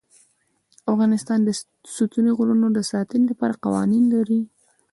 افغانستان د ستوني غرونه د ساتنې لپاره قوانین لري.